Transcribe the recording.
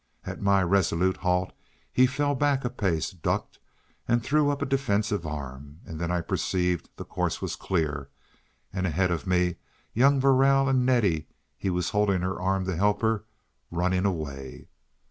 At my resolute halt he fell back a pace, ducked, and threw up a defensive arm, and then I perceived the course was clear, and ahead of me, young Verrall and Nettie—he was holding her arm to help her—running away.